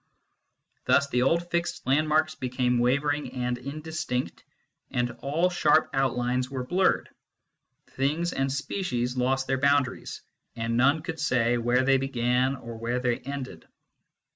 Thus the old fixed landmarks became wavering and indistinct, and all sharp outlines were blurred. Things and species lost their boundaries, and none could say where they began or where they ended.